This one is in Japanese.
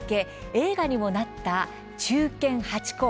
映画にもなった忠犬ハチ公。